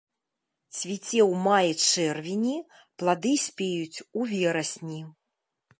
Цвіце ў маі-чэрвені, плады спеюць у верасні.